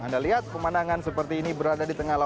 anda lihat pemandangan seperti ini berada di tengah laut